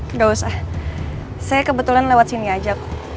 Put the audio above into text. tidak usah saya kebetulan lewat sini aja